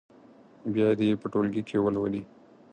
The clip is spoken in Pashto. بیا دې یې په ټولګي کې ولولي.